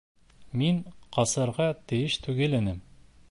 Мин ҡасырға тейеш түгел инем.